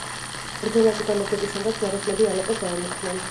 ბრძოლაში გამარჯვების შემდეგ, ჯვაროსნები ალეპოს დაემუქრნენ.